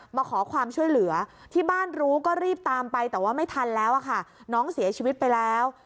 มาขอความช่วยเหลือที่บ้านรู้ก็รีบตามไปแต่ว่าไม่ทันแล้วค่ะน้องเสียชีวิตไปแล้ว